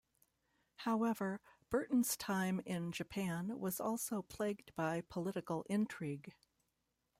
However, Bertin's time in Japan was also plagued by political intrigue.